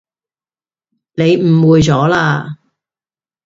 你誤會咗喇